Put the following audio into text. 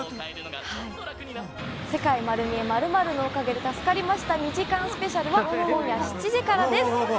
『世界まる見え！』、○○のおかげで助かりました、２時間スペシャルは今夜７時からです。